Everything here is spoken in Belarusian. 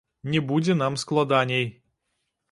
Не будзе нам складаней.